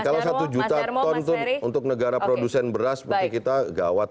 kalau satu juta ton untuk negara produsen beras mungkin kita nggak awat